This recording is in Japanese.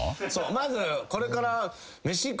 まずこれから。